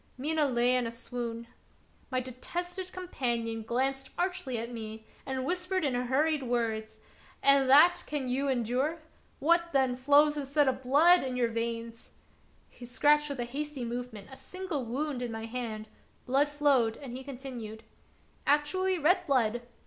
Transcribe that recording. Mina lay in a swoon. My detested companion glanced archly at me and whispered in hurried words :" And that can you endure ? What, then, flows instead of blood in your veins ?" He scratched with a hasty movement a slight wound in my hand ; blood flowed, and he continued : "Actually red blood